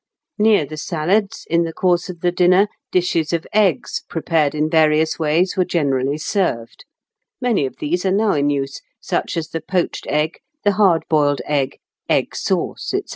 Near the salads, in the course of the dinner, dishes of eggs prepared in various ways were generally served. Many of these are now in use, such as the poached egg, the hard boiled egg, egg sauce, &c. [Illustration: Fig.